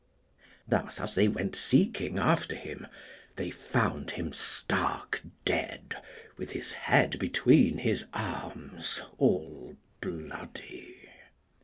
Thus as they went seeking after him, they found him stark dead, with his head between his arms all bloody.